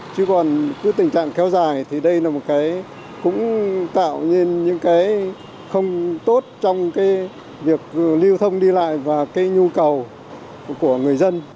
chứ còn tình trạng khéo dài thì đây cũng tạo nên những cái không tốt trong việc lưu thông đi lại và cái nhu cầu của người dân